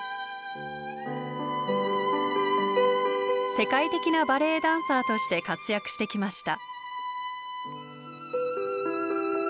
世界的なバレエダンサーとして活躍してきました。